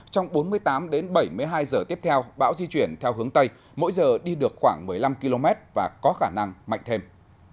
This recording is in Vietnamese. trong bốn mươi tám đến bảy mươi hai giờ tiếp theo bão di chuyển theo hướng tây mỗi giờ đi được khoảng một mươi năm km và có khả năng mạnh thêm